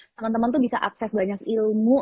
teman teman tuh bisa akses banyak ilmu